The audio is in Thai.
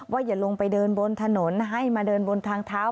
อย่าลงไปเดินบนถนนให้มาเดินบนทางเท้า